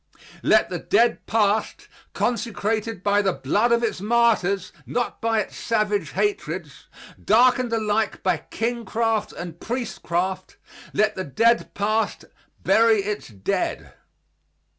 Let the dead past, consecrated by the blood of its martyrs, not by its savage hatreds darkened alike by kingcraft and priestcraft let the dead past bury its dead.